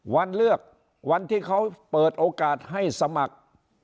วันเลือกวันที่เขาเปิดโอกาสให้สมัคร